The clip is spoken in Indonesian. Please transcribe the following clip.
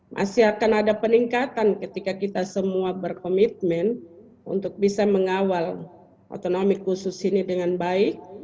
masih akan ada peningkatan ketika kita semua berkomitmen untuk bisa mengawal otonomi khusus ini dengan baik